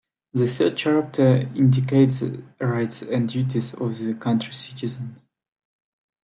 The third chapter indicates rights and duties of the country's citizen.